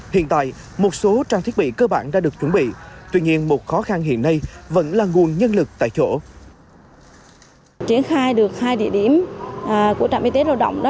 hiện tại một số trang thiết bị cơ bản đã được chuẩn bị tuy nhiên một khó khăn hiện nay vẫn là nguồn nhân lực tại chỗ